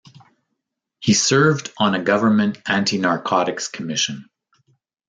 He served on a government anti-narcotics commission.